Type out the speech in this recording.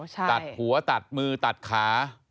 ตัดหัวตัดมือตัดขา